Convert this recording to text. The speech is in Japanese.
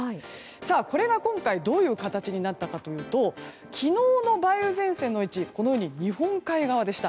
これが今回どういう形になったかというと昨日の梅雨前線の位置は日本海側でした。